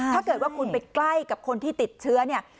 ถ้าเกิดว่าคุณไปใกล้กับคนที่ติดเชื้อเนี่ย